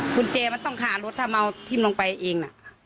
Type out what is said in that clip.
คุณเจมส์มันต้องขารถถ้าเมาทิ้งลงไปเอง